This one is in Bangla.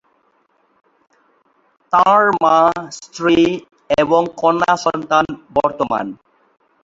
তাঁর মা, স্ত্রী এবং কন্যা সন্তান বর্তমান।